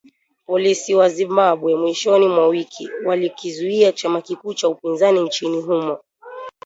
Polisi wa Zimbabwe mwishoni mwa wiki walikizuia chama kikuu cha upinzani nchini humo